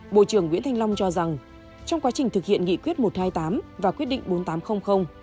bộ trưởng nguyễn thanh long cho rằng trong quá trình thực hiện nghị quyết một trăm hai mươi tám và quyết định bốn nghìn tám trăm linh